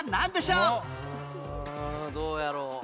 うんどうやろう。